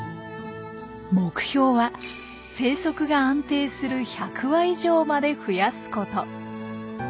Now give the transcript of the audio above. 目標は生息が安定する１００羽以上まで増やすこと。